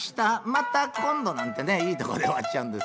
また今度なんてねいいとこで終わっちゃうんですよね。